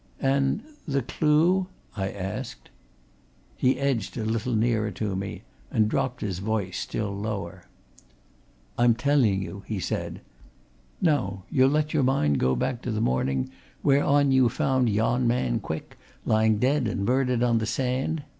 "And the clue?" I asked. He edged a little nearer to me, and dropped his voice still lower. "I'm telling you," he said. "Now you'll let your mind go back to the morning whereon you found yon man Quick lying dead and murdered on the sand?